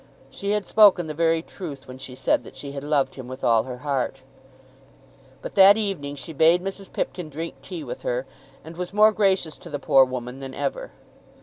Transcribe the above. She had spoken the very truth when she said that she had loved him with all her heart. [Illlustration: Mrs. Hurtle at the window.] But that evening she bade Mrs. Pipkin drink tea with her and was more gracious to the poor woman than ever.